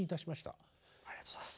ありがとうございます。